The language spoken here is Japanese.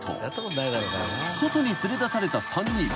［外に連れ出された３人。